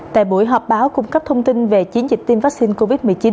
tại buổi họp báo cung cấp thông tin về chiến dịch tiêm vaccine covid một mươi chín